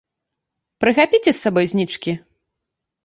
Прыхапіце з сабой знічкі!